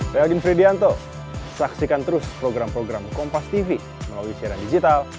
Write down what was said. saya yakin fredianto saksikan terus program program kompas tv melalui siaran digital